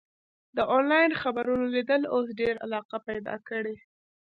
د انلاین خپرونو لیدل اوس ډېره علاقه پیدا کړې.